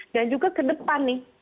dan juga ke depan nih